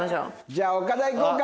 じゃあ岡田いこうか。